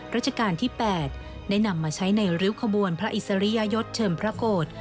ราชการที่๘ได้นำมาใช้ในริ้วขบวนพระอิสริยยศเชิมพระโกรธ